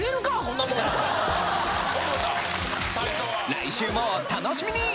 来週もお楽しみに！